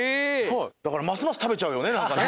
だからますますたべちゃうよねなんかね。